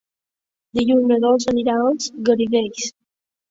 Dilluns na Dolça anirà als Garidells.